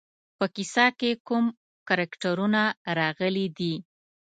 په کیسه کې کوم کرکټرونه راغلي دي.